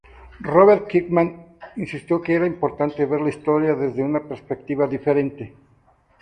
Robert Kirkman insistió que era importante ver la historia desde una perspectiva diferente.